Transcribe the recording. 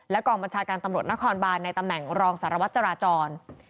กองบัญชาการตำรวจนครบานในตำแหน่งรองสารวัตรจราจร